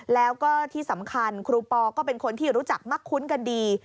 แล้วก็ที่สำคัญครูปอก็เป็นคนที่รู้จักมักคุ้นกันดี